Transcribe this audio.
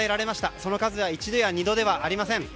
その数は一度や二度ではありません。